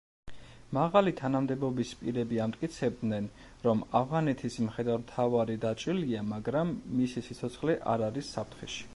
მაღალი თანამდებობის პირები ამტკიცებდნენ, რომ ავღანეთის მხედართმთავარი დაჭრილია, მაგრამ მისი სიცოცხლე არ არის საფრთხეში.